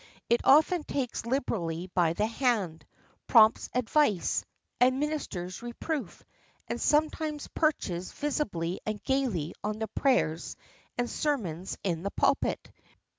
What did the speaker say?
It often takes liberality by the hand, prompts advice, administers reproof, and sometimes perches visibly and gayly on the prayers and sermons in the pulpit.